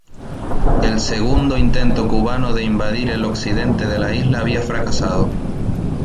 El segundo intento cubano de invadir el occidente de la isla había fracasado.